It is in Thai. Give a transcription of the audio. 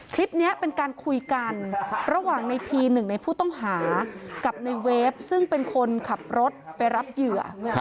คลิปนี้เป็นการคุยกันระหว่างในพีหนึ่งในผู้ต้องหากับในเวฟซึ่งเป็นคนขับรถไปรับเหยื่อ